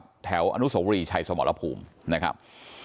แห่งหนึ่งนะครับแถวอนุโสวรีชัยสมรภูมินะครับ